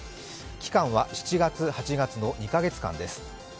期間は７月、８月の２カ月間です。